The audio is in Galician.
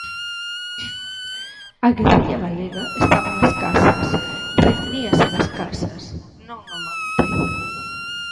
A guerrilla galega estaba nas casas, reuníase nas casas, non no monte.